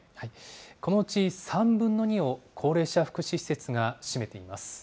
このうち３分の２を高齢者福祉施設が占めています。